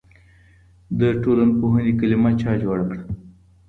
د ټولنپوهنې کلمه چا جوړه کړه؟